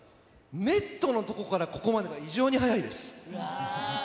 ネットのとこからここまでが異常に速いです。